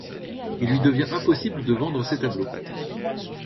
Il lui devient impossible de vendre ses tableaux.